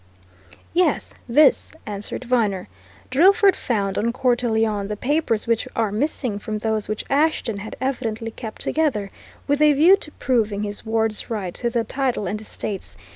"Yes this," answered Viner. "Drillford found on Cortelyon the papers which are missing from those which Ashton had evidently kept together with a view to proving his ward's right to the title and estates.